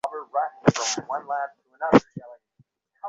অস্বীকার করার উপায় নেই যে আমি খানিকাটা রোমাঞ্চিতও বটে!